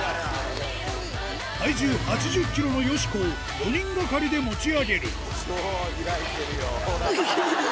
体重８０キロのよしこを４人がかりで持ち上げる。